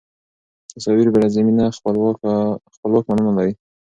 تصاویر بې له زمینه خپلواک معنا نه لري.